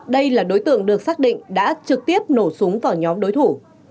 đây là đối tượng được xác định đã trực tiếp nổ súng vào nhóm đối thủ